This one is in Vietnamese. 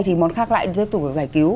thì món khác lại tiếp tục phải giải cứu